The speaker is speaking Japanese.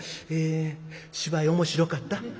え芝居面白かった？